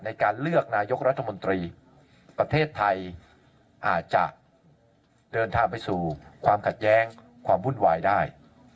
ในการเลือกนายกรัฐมนตรีประเทศไทยอาจจะเดินทางไปสู่ความขัดแย้งความวุ่นวายได้